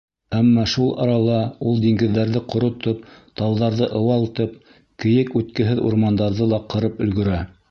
Әммә шул арала ул диңгеҙҙәрҙе ҡоротоп, тауҙарҙы ыуалтып, кейек үткеһеҙ урмандарҙы ла ҡырып өлгөрә.